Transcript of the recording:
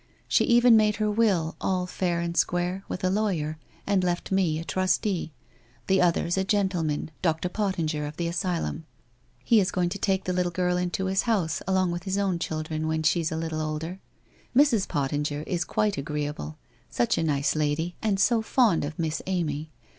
She even made her will all fair and square, with a lawyer, and left me a trustee. The other's a gentleman, Dr. Pottinger, of the asylum. He is going to take the little girl into his house along with his own children when she's a little older. Mrs. Pot tinger is quite agreeable. Such a nice lady and so fond of Miss Amy!